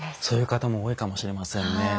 そういう方も多いかもしれませんね。